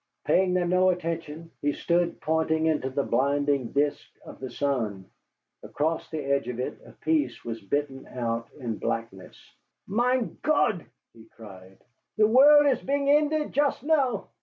Paying them no attention, he stood pointing into the blinding disk of the sun. Across the edge of it a piece was bitten out in blackness. "Mein Gott!" he cried, "the world is being ended just now."